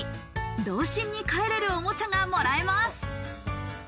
童心にかえれるおもちゃがもらえます。